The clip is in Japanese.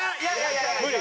無理。